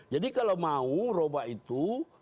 jadi kalau mau roba itu